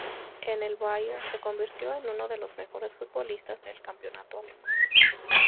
En el Bayer, se convirtió en uno de los mejores futbolistas del campeonato alemán.